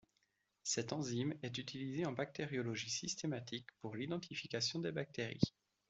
Cette enzyme est utilisée en bactériologie systématique pour l'identification des bactéries.